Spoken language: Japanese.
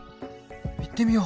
行ってみよう。